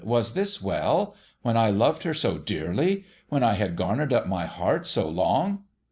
* Was this well ? When I loved her so dearly ! When I had garnered up my heart so long